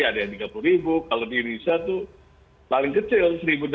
ada yang tiga puluh kalau di indonesia itu paling kecil seribu enam ratus dua puluh